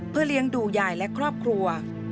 เพื่อเลี้ยงดูยายและครอบครัว